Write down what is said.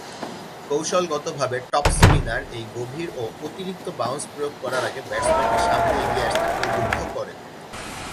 কৌশলগতভাবে top spinner এই গভীর ও অতিরিক্ত বাউন্স প্রয়োগ করার আগে ব্যাটসম্যানকে সামনে এগিয়ে নিয়ে আসতে প্রলুব্ধ করেন।